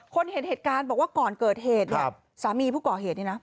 เห็นเหตุการณ์บอกว่าก่อนเกิดเหตุเนี่ยสามีผู้ก่อเหตุนี่นะ